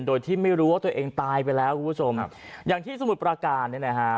โดยที่ไม่รู้ว่าตัวเองตายไปแล้วคุณผู้ชมครับอย่างที่สมุทรประการเนี่ยนะฮะ